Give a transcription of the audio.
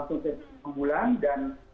langsung ke bulan dan